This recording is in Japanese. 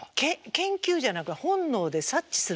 研究じゃなく本能で察知するんです。